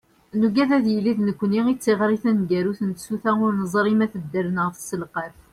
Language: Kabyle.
Nugad ad yili d nekkni i d tiɣri taneggarut n tsuta ur neẓri ma tedder neɣ tesselqaf.